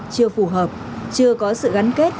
chưa phù hợp chưa có sự gắn kết